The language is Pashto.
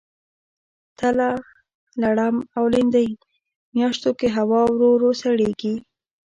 تله ، لړم او لیندۍ میاشتو کې هوا ورو ورو سړیږي.